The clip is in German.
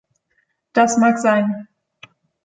Das mag sein.